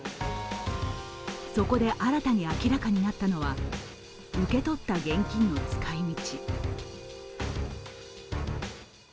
そこで新たに明らかになったのは受け取った現金の使い道。